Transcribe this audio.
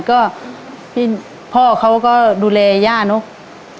ก็พี่พ่อเขาก็ดูแลย่าเนอะ